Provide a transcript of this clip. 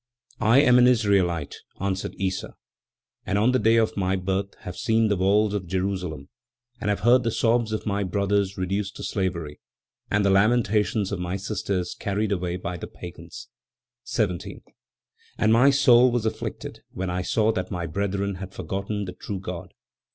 "I am an Israelite," answered Issa; "and on the day of my birth have seen the walls of Jerusalem, and have heard the sobs of my brothers reduced to slavery, and the lamentations of my sisters carried away by the Pagans; 17. "And my soul was afflicted when I saw that my brethren had forgotten the true God.